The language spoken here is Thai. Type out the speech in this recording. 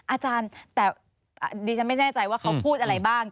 อาจารย์แต่ดิฉันไม่แน่ใจว่าเขาพูดอะไรบ้าง